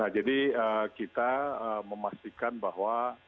jadi kita memastikan bahwa